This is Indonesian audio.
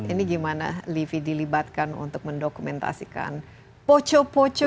ini gimana livi dilibatkan untuk mendokumentasikan poco poco